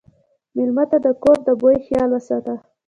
مېلمه ته د کور د بوي خیال وساته.